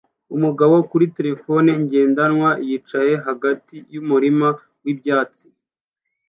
Umugabo kuri terefone ngendanwa yicaye hagati yumurima wibyatsi